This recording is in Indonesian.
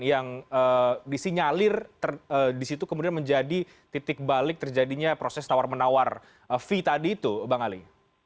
yang disinyalir disitu kemudian menjadi titik balik terjadinya proses tawar menawar fee tadi itu bang ali